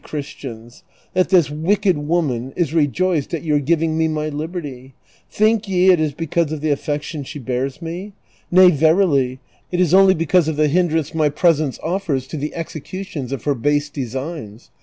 Christians, that this wicked woman is rejoiced at your giving me my liberty ? Think ye it is l)ecause of the affection she bears me? Nay verily, it is only because of the hindrance my presence offers to the execution of her base designs.